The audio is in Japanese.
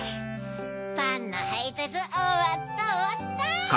パンのはいたつおわったおわった！